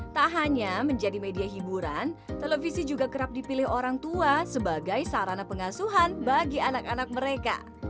tak hanya menjadi media hiburan televisi juga kerap dipilih orang tua sebagai sarana pengasuhan bagi anak anak mereka